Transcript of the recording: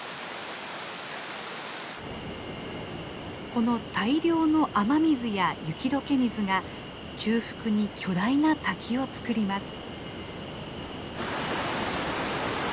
この大量の雨水や雪どけ水が中腹に巨大な滝をつくります。